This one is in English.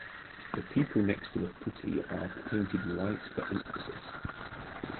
The people next to the putti are painted white for emphasis.